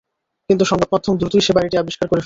কিন্তু সংবাদমাধ্যম দ্রুতই সে বাড়িটি আবিষ্কার করে ফেলে।